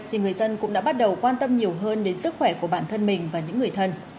thì người dân cũng đã bắt đầu quan tâm nhiều hơn đến sức khỏe của bản thân mình và những người thân